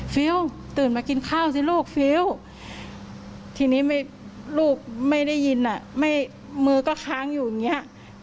ฟิลตื่นมากินข้าวสิลูกฟิวทีนี้ลูกไม่ได้ยินมือก็ค้างอยู่อย่างเงี้ย